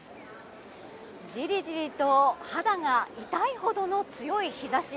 じりじりと肌が痛いほどの強い日差し。